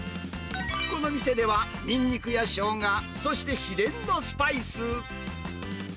この店では、ニンニクやショウガ、そして秘伝のスパイス。